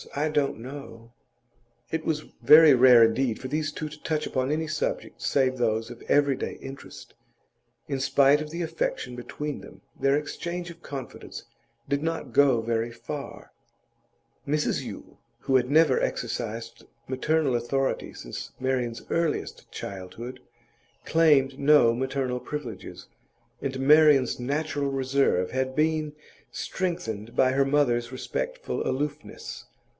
I don't know.' It was very rare indeed for these two to touch upon any subject save those of everyday interest. In spite of the affection between them, their exchange of confidence did not go very far; Mrs Yule, who had never exercised maternal authority since Marian's earliest childhood, claimed no maternal privileges, and Marian's natural reserve had been strengthened by her mother's respectful aloofness.